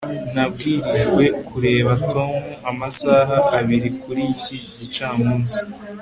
nabwirijwe kureba tom amasaha abiri kuri iki gicamunsi